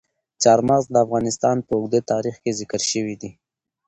چار مغز د افغانستان په اوږده تاریخ کې ذکر شوی دی.